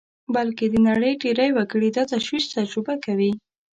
بلکې د نړۍ ډېری وګړي دا تشویش تجربه کوي